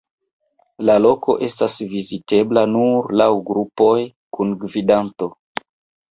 La loko estas vizitebla nur laŭ grupoj, kun gvidanto.